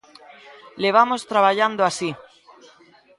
Levamos traballando así.